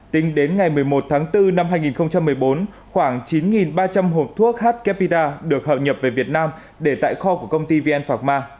tính đến ngày một mươi một tháng bốn năm hai nghìn một mươi bốn khoảng chín ba trăm linh hộp thuốc h capida được hạo nhập về việt nam để tại kho của công ty vn phạc ma